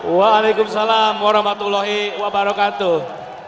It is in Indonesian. wa'alaikumussalam warahmatullahi wabarakatuh